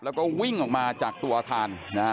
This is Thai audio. แล้วก็วิ่งออกมาจากตัวอาคารนะฮะ